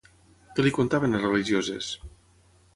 Què li contaven les religioses?